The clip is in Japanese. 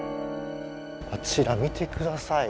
あちら見てください。